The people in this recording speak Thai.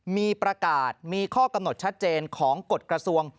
มีประกาศมีข้อกำหนดชัดเจนของกฎกระทรวง